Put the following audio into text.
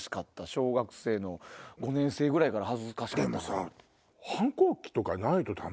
小学生の５年生ぐらいから恥ずかしかった。